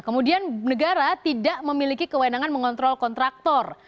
kemudian negara tidak memiliki kewenangan mengontrol kontraktor